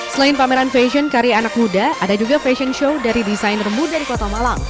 selain pameran fashion karya anak muda ada juga fashion show dari desainer muda di kota malang